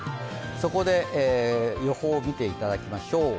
そこで予報を見ていただきましょう。